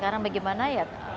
sekarang bagaimana ya